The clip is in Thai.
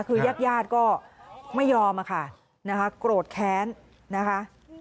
คือแยกยาดก็ไม่ยอมค่ะโกรธแค้นนะคะ